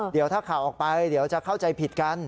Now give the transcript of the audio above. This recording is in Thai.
เดี๋ยวถ้าข่าวออกไปเดี๋ยวจะเข้าใจผิดกัน